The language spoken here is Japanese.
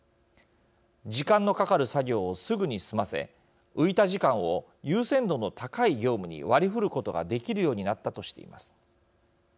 時間のかかる作業をすぐに済ませ浮いた時間を優先度の高い業務に割り振ることができるようになったとしています。